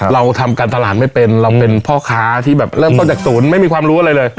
เราทำการตลาดไม่เป็นเราเป็นพ่อค้าที่แบบเริ่มต้นจากศูนย์ไม่มีความรู้อะไรเลย